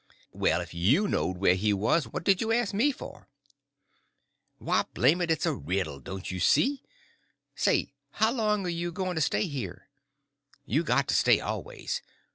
"Well, if you knowed where he was, what did you ask me for?" "Why, blame it, it's a riddle, don't you see? Say, how long are you going to stay here? You got to stay always.